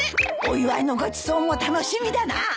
お祝いのごちそうも楽しみだな。